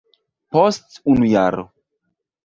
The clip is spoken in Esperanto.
Post unu jaro.